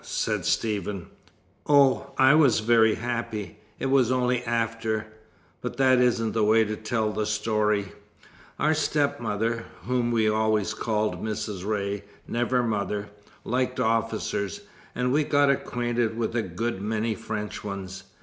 said Stephen. "Oh, I was very happy. It was only after but that isn't the way to tell the story. Our stepmother whom we always called 'Mrs. Ray,' never 'mother' liked officers, and we got acquainted with a good many French ones.